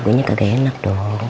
guanya kagak enak dong